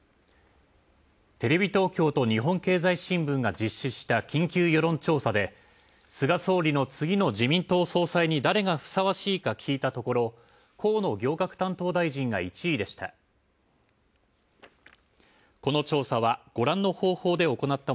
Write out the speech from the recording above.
テレビ東京と日本経済新聞が実施した緊急世論調査で菅総理大臣の次の自民党総裁に誰がふさわしいか聞いたところ河野行革担当大臣が１位でした。